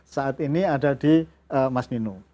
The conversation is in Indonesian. saat ini ada di mas nino